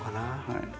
はい。